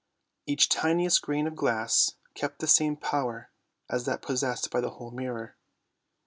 Each tiniest grain of glass kept the same power as that possessed by the whole mirror.